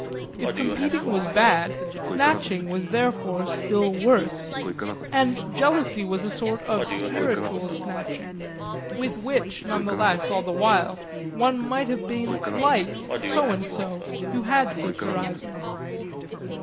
If competing was bad snatching was therefore still worse, and jealousy was a sort of spiritual snatching. With which, nevertheless, all the while, one might have been "like" So and So, who had such horizons.